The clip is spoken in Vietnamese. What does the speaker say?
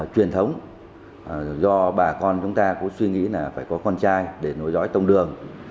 truyền thống do bà con chúng ta có suy nghĩ là phải có con trai để nối dõi tông đường